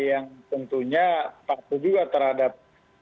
yang tentunya patuh juga terhadap